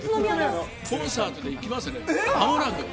コンサートで行きますね、間もなく。